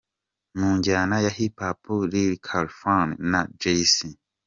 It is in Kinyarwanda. Mu njyana ya Hip Hop ni Lkalifan na Jay c.